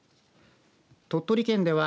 鳥取県では。